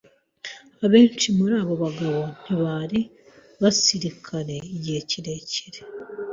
Abenshi muri abo bagabo ntibari basirikare igihe kirekire.